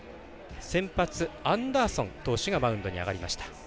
先発、アンダーソン投手がマウンドに上がりました。